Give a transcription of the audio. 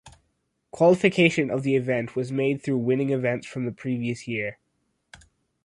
Qualification of the event was made through winning events from the previous year.